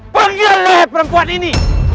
penggel leher perempuan ini